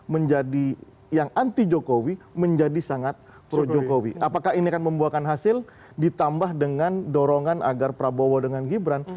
menjadi yang anti jokowi menjadi sangat pro jokowi apakah ini akan membuahkan hasil ditambah dengan dorongan agar prabowo dengan gibran